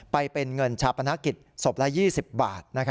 ไปเป็นเงินชาปนกิจศพละ๒๐บาท